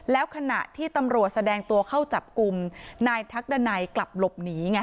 แล้วขณะที่ตำรวจแสดงตัวเข้าจับกลุ่มนายทักดันัยกลับหลบหนีไง